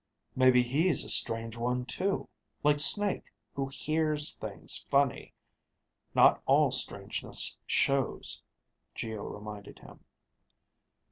"Maybe he's a strange one too, like Snake who 'hears' things funny. Not all strangeness shows," Geo reminded him.